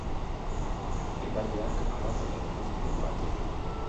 Epaileak arrazoia eman dio bati.